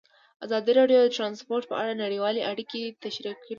ازادي راډیو د ترانسپورټ په اړه نړیوالې اړیکې تشریح کړي.